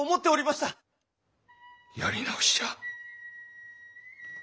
やり直しじゃ。